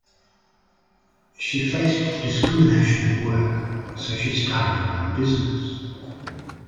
She faced discrimination at work, so she started her own business.